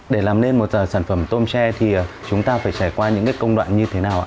để làm nên một sản phẩm tôm tre thì chúng ta phải trải qua những công đoạn như thế nào ạ